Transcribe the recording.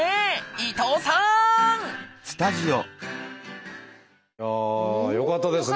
伊藤さん！ああよかったですね。